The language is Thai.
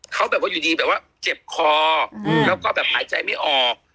เขาแบบว่าอยู่ดีแบบว่าเจ็บคอแล้วก็แบบหายใจไม่ออก